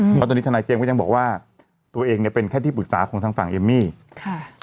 เพราะตอนนี้ทนายเจมส์ก็ยังบอกว่าตัวเองเนี่ยเป็นแค่ที่ปรึกษาของทางฝั่งเอมมี่ค่ะ